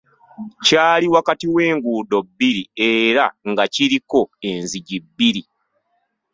Kyali wakati w'enguudo bbiri, era nga kiriko enzigi bbiri.